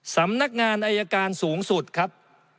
สำนักงานอายการสูงสุดครับ